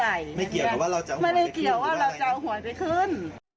ไม่เกี่ยวกับว่าเราจะไม่ได้เกี่ยวว่าเราจะเอาหวยไปขึ้น